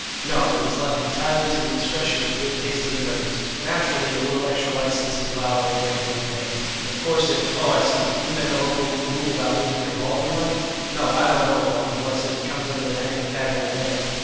"No; it is left entirely to the discretion and good taste of the members. Naturally a little extra license is allowed on a very muddy day. Of course, if Oh, I see. You meant a local rule about losing your ball in the mud? No, I don't know of one, unless it comes under the heading of casual land.